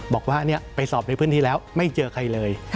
บอกว่าไปสอบในพื้นที่แล้วไม่เจอใครเลย